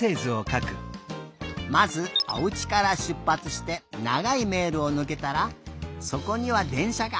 まずおうちからしゅっぱつしてながいめいろをぬけたらそこにはでんしゃが。